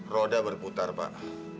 roda berputar pak